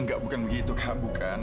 nggak bukan begitu kak bukan